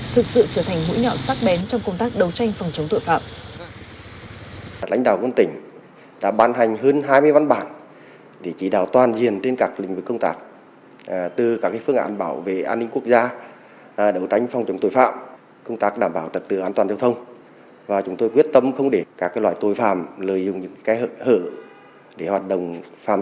thực sự trở thành mũi nhọn sát bén trong công tác đấu tranh phòng chống tội phạm